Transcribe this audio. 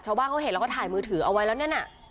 ชาวบ้านเขาเห็นแล้วก็ถ่ายมือถือเอาไว้แล้วนั่นน่ะ